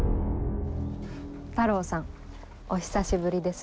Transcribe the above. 太郎さんお久しぶりです。